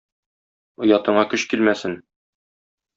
Оятыңа көч килмәсен.